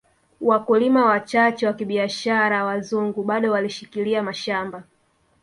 Wakulima wachache wa kibiashara wazungu bado walishikilia mashamba